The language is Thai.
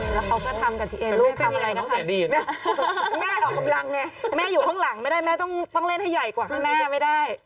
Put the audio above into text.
แล้วเขาก็ทำกับทีเอลลูกทำอะไรนะคะแม่อยู่ข้างหลังไม่ได้แม่ต้องเล่นให้ใหญ่กว่าแม่ไม่ได้